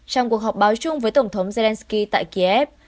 trong cuộc họp báo chung với tổng thống zelensky tại kiev